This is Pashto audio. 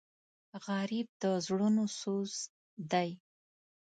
غریب د زړونو سوز دی